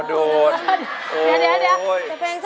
โดดเดี๋ยวเดี๋ยว